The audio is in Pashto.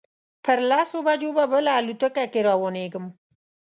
پر لسو بجو به بله الوتکه کې روانېږم.